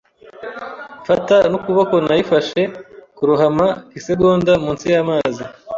mfata, n'ukuboko nayifashe kurohama isegonda munsi y'amazi.